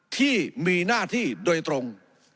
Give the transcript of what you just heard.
ที่มีหน้าที่โดยตรง